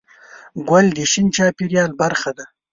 ګل د شین چاپېریال برخه ده.